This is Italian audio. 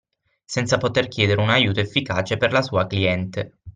Senza poter chiedere un aiuto efficace per la sua cliente